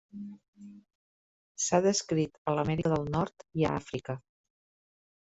S'ha descrit a l'Amèrica del Nord i a Àfrica.